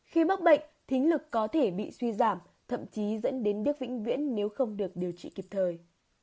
khi mắc bệnh thính lực có thể bị suy giảm thậm chí dẫn đến điếc vĩnh viễn nếu không được điều trị kịp thời